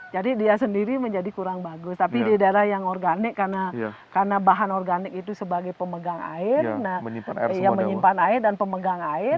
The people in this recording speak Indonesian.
jadi dia sendiri menjadi kurang bagus tapi di daerah yang organik karena bahan organik itu sebagai pemegang air menyimpan air dan pemegang air